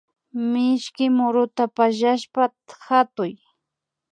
Mishki muruta pallashpa hatuy